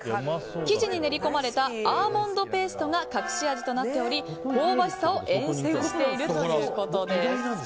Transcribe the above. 生地に練り込まれたアーモンドペーストが隠し味となっており香ばしさを演出しているということです。